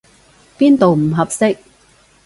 邊度唔合適？